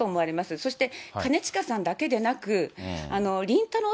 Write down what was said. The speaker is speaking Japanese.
そして兼近さんだけでなく、りんたろー。